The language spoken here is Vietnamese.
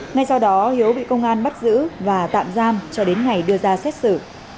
ngay sau đó hiếu bị công an bắt giữ và tạm giam cho đến ngày đưa ra xét xử